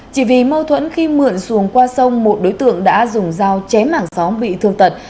chỉ vì mâu thuẫn khi mượn xuồng qua sông một đối tượng đã dùng dao chém mảng xóm bị thương tật